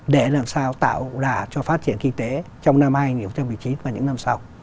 để làm sao tạo đà cho phát triển kinh tế trong năm hai nghìn một mươi chín và những năm sau